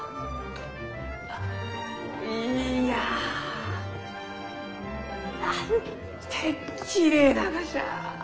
いやなんてきれいながじゃ！